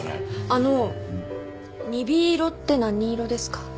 あの鈍色って何色ですか？